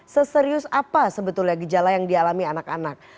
seserius apa sebetulnya gejala yang dialami anak anak